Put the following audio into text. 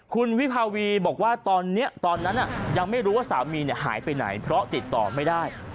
คุณวิภาวีบอกว่าตอนนี้ตอนนั้นยังไม่รู้ว่าสามีหายไปไหนเพราะติดต่อไม่ได้